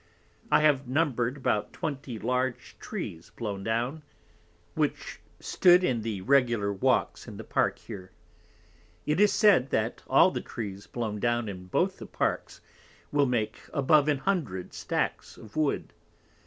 I have number'd about 20 large Trees blown down, which stood in the regular Walks in the Park here. It is said, that all the Trees blown down in both the Parks will make above an hundred Stacks of Wood.